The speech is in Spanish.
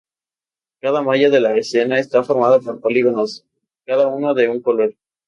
Cada malla de la escena está formada por polígonos, cada uno de un color.